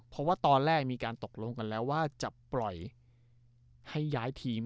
เพราะว่าตอนแรกมีการตกลงกันแล้วว่าจะปล่อยให้ย้ายทีม